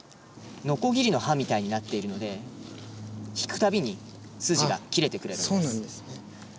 のこぎりの刃みたいになっているので引くたびに筋が切れてくれるんです。